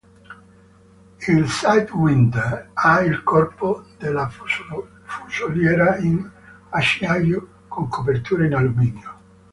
Il sidewinder ha il corpo della fusoliera in acciaio con copertura in alluminio.